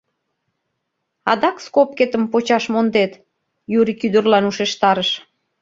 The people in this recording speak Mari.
— Адак скобкетым почаш мондет, — Юрик ӱдырлан ушештарыш.